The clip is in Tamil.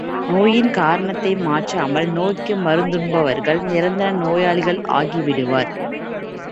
நோயின் காரணத்தை மாற்றாமல் நோய்க்கு மருந்துண்பவர்கள், நிரந்தர நோயாளிகள் ஆகிவிடுவர்.